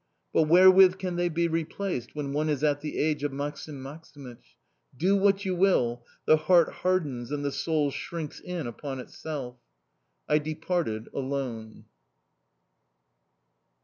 But wherewith can they be replaced when one is at the age of Maksim Maksimych? Do what you will, the heart hardens and the soul shrinks in upon itself. I departed alone.